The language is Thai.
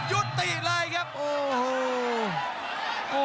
ยุติเลยครับโอ้โห